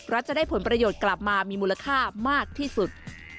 จะได้ผลประโยชน์กลับมามีมูลค่ามากที่สุด